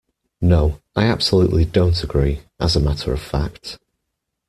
No, I absolutely don't agree, as a matter of fact